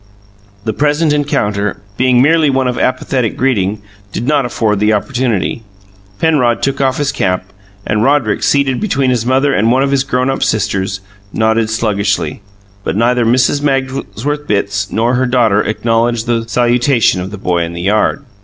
The present encounter, being merely one of apathetic greeting, did not afford the opportunity. Penrod took off his cap, and Roderick, seated between his mother and one of his grown up sisters, nodded sluggishly, but neither Mrs. Magsworth Bitts nor her daughter acknowledged the salutation of the boy in the yard.